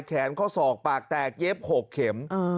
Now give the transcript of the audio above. แขนเขาสอกปากแตกเย็บหกเข็ม